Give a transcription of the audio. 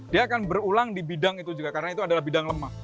dia akan berulang di bidang itu juga karena itu adalah bidang lemah